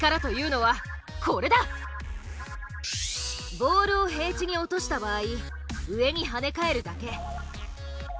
ボールを平地に落とした場合上に跳ね返るだけ。